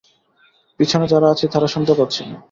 পিছনে যারা আছি, তারা শুনতে পাচ্ছি না।